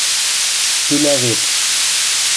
Пӱла вет.